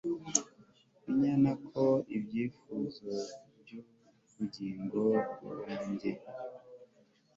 Inyana ko ibyifuzo byubugingo bwanjye